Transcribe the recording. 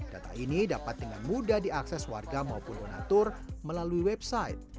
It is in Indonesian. data ini dapat dengan mudah diakses warga maupun donatur melalui website